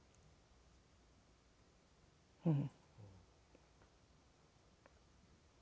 うん。